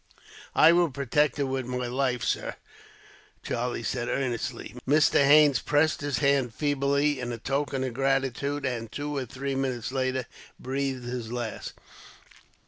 "I will protect her with my life, sir," Charlie said earnestly. Mr. Haines pressed his hand feebly, in token of gratitude; and, two or three minutes later, breathed his last.